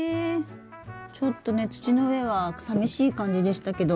ちょっとね土の上はさみしい感じでしたけど。